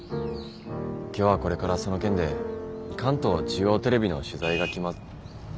今日はこれからその件で関東中央テレビの取材が来ま。